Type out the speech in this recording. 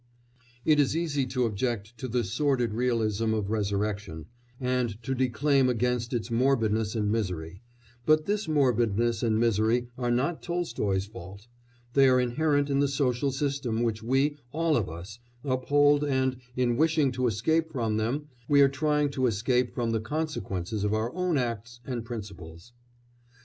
It is easy to object to the "sordid realism" of Resurrection, and to declaim against its morbidness and misery, but this morbidness and misery are not Tolstoy's fault; they are inherent in the social system which we, all of us, uphold and, in wishing to escape from them, we are trying to escape from the consequences of our own acts and principles.